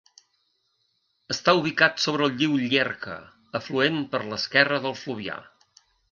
Està ubicat sobre el riu Llierca, afluent per l'esquerra del Fluvià.